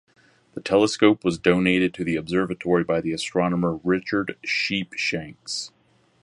The telescope was donated to the observatory by the astronomer Richard Sheepshanks.